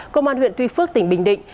công an huyện tuy phước tỉnh bình định